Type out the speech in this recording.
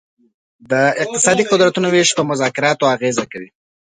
د اقتصادي قدرتونو ویش په مذاکراتو اغیزه کوي